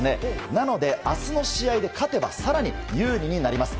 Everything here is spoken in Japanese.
なので、明日の試合で勝てば更に有利になります。